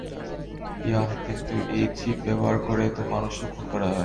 Yeah, কিন্তু এই chip ব্যাবহার করে তো মানুষও খুন করা হয়।